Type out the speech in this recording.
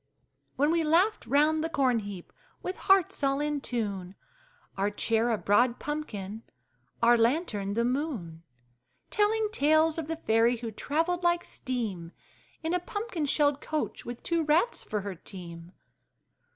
When we laughed round the corn heap, with hearts all in tune, Our chair a broad pumpkin, our lantern the moon, Telling tales of the fairy who travelled like steam In a pumpkin shell coach, with two rats for her team!